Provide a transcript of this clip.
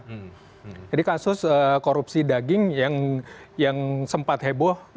jadi kasus korupsi daging yang sempat heboh